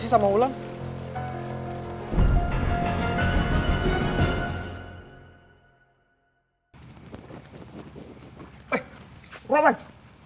ternyata harus menikmati